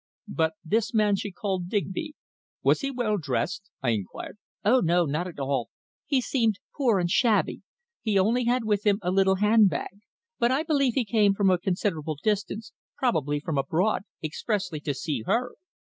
"But this man she called Digby. Was he well dressed?" I inquired. "Oh, no not at all. He seemed poor and shabby. He only had with him a little handbag, but I believe he came from a considerable distance, probably from abroad, expressly to see her."